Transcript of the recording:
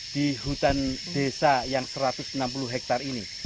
di hutan desa yang satu ratus enam puluh hektare ini